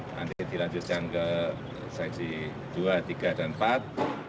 nanti dilanjutkan ke sesi dua tiga dan empat